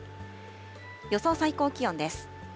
予想最高気温です。